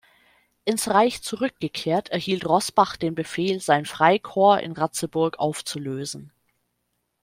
Ins Reich zurückgekehrt, erhielt Roßbach den Befehl, sein Freikorps in Ratzeburg aufzulösen.